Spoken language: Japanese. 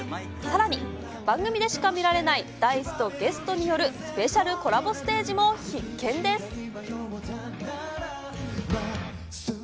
さらに、番組でしか見られない、ダイスとゲストによるスペシャルコラボステージも必見です。